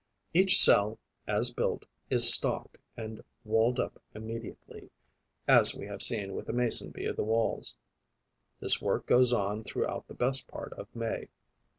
Each cell, as built, is stocked and walled up immediately, as we have seen with the Mason bee of the Walls. This work goes on throughout the best part of May.